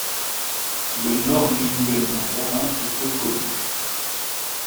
Le Nördlingen romain est peu connu.